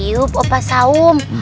yup opa saum